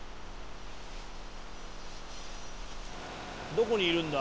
「どこにいるんだ？